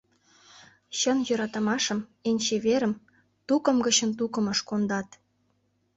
Чын йӧратымашым, эн чеверым, Тукым гычын тукымыш кондат.